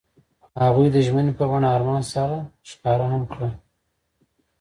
هغوی د ژمنې په بڼه آرمان سره ښکاره هم کړه.